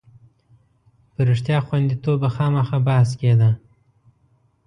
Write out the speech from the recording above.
په رښتیا غوندېتوب به خامخا بحث کېده.